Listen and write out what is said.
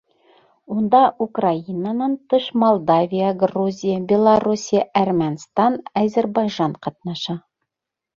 Унда Украинанан тыш Молдавия, Грузия, Белоруссия, Әрмәнстан, Азербайжан ҡатнаша.